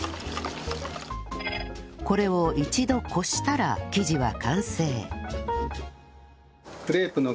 これを一度こしたら生地は完成